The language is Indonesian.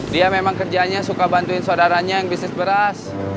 dia memang kerjanya suka bantuin saudaranya yang bisnis beras